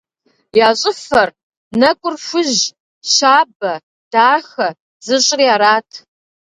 Я щӏыфэр, нэкӏур хужь, щабэ, дахэ зыщӏри арат.